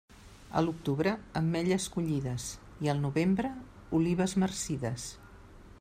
A l'octubre, ametlles collides, i al novembre, olives marcides.